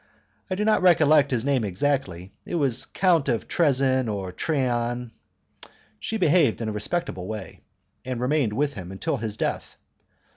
I do not recollect his name exactly; it was Count of Tressan or Trean. She behaved in a respectable way, and remained with him until his death.